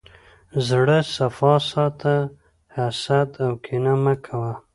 زړه صفا ساته، حسد او کینه مه کوه.